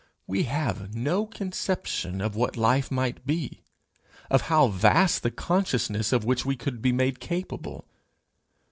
We have no conception of what life might be, of how vast the consciousness of which we could be made capable.